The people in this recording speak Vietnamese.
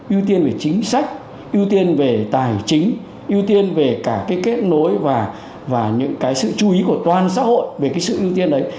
ưu tiên về chính sách ưu tiên về tài chính ưu tiên về cả cái kết nối và những cái sự chú ý của toàn xã hội về cái sự ưu tiên đấy